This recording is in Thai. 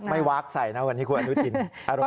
ไม่วากใส่นะครับวันนี้คุณอนุตินอารมณ์ดี